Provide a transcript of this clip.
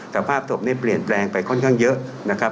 แต่ภาพศพนี้เปลี่ยนแปลงไปค่อนข้างเยอะนะครับ